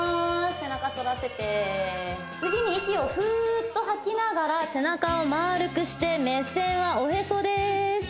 背中反らせて次に息をふーっと吐きながら背中を丸くして目線はおへそです